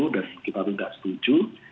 dan kita tidak setuju